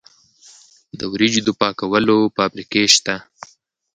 د وریجو د پاکولو فابریکې شته.